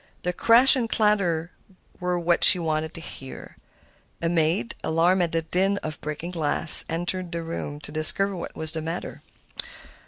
The crash and clatter were what she wanted to hear. A maid, alarmed at the din of breaking glass, entered the room to discover what was the matter.